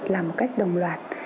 làm một cách đồng loạt